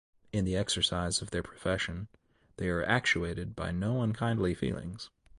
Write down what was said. In the exercise of their profession they are actuated by no unkindly feelings.